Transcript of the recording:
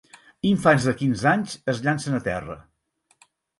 Infants de quinze anys es llancen a terra